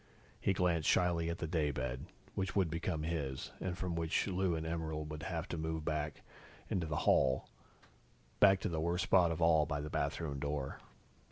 He glanced shyly at the daybed, which would become his, and from which Lou and Emerald would have to move back into the hall, back to the worst spot of all by the bathroom door.